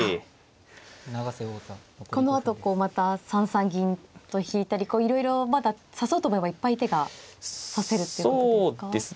このあとまた３三銀と引いたりいろいろまだ指そうと思えばいっぱい手が指せるっていうことですか。